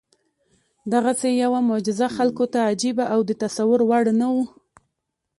دغسې یوه معجزه خلکو ته عجیبه او د تصور وړ نه وه.